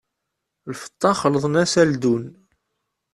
Lfeṭṭa xelḍen-as aldun!